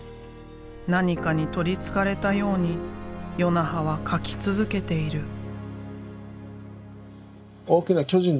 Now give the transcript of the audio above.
何かにとりつかれたように与那覇は描き続けている。